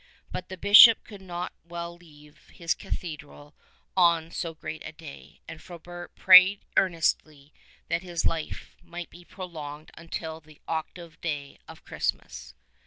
But the Bishop could not well leave his Cathedral on so great a day, and Frobert prayed earnestly that his life might be prolonged until the octave day of Christmas.